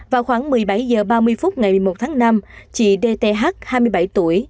vào khoảng một mươi bảy h ba mươi phút ngày một tháng năm chị dth hai mươi bảy tuổi